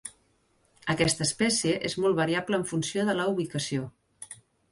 Aquesta espècie és molt variable en funció de la ubicació.